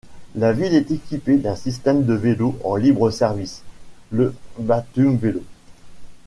La ville est équipée d'un système de vélos en libre service, le Batumvélo.